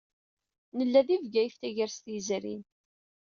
Nella di Bgayet tagrest yezrin.